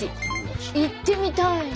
行ってみたい。